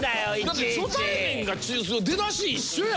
だって初対面が出だし一緒やん。